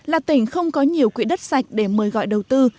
là tỉnh không có nhiều quỹ đất sạch để mời gọi đầu tư